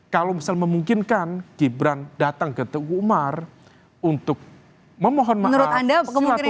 kalau misal memungkinkan gibran datang ke tengku umar untuk memohon maaf silaturahmi memungkinkan